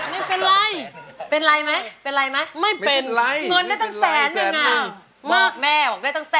ไม่เป็นไรไม่เป็นมีเงินได้ตั้ง๑๐๐๐หนึ่ง